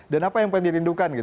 dan apa yang pengen dirindukan